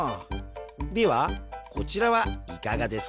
ではこちらはいかがですか？